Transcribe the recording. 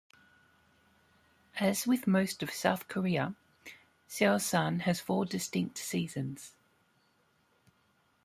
As with most of South Korea, Seosan has four distinct seasons.